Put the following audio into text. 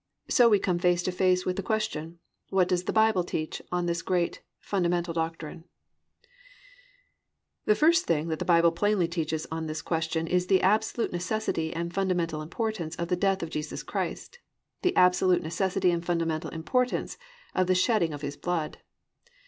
So we come face to face with the question, What does the Bible teach on this great fundamental doctrine? I. THE NECESSITY AND IMPORTANCE OF HIS DEATH The first thing that the Bible plainly teaches on this question is _the absolute necessity and fundamental importance of the death of Jesus Christ, the absolute necessity and fundamental importance of the shedding of His blood_.